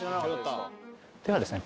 ではですね